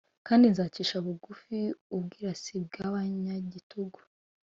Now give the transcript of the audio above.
kandi nzacisha bugufi ubwirasi bw’ abanyagitugu